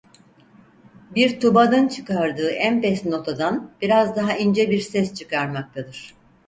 Bir tubanın çıkardığı en pes notadan biraz daha ince bir ses çıkarmaktadır.